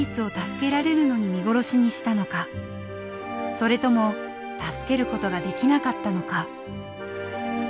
それとも助ける事ができなかったのか。